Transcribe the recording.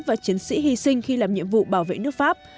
và chiến sĩ hy sinh khi làm nhiệm vụ bảo vệ nước pháp